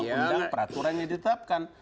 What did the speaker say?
undang undang peraturannya ditetapkan